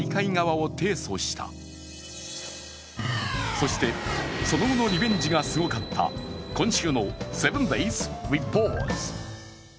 そしてその後のリベンジがすごかった今週の「７ｄａｙｓリポート」。